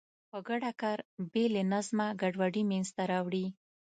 په ګډه کار بې له نظمه ګډوډي منځته راوړي.